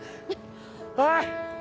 おい！